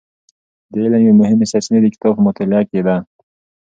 د علم یوې مهمې سرچینې د کتاب په مطالعه کې ده.